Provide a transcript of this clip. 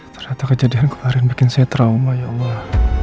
ternyata kejadian kemarin bikin saya trauma ya allah